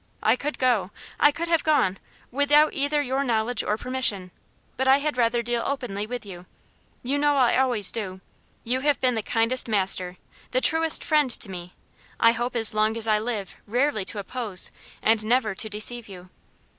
"I could go I could have gone, without either your knowledge or permission; but I had rather deal openly with you. You know I always do. You have been the kindest master the truest friend to me; I hope, as long as I live, rarely to oppose, and never to deceive you."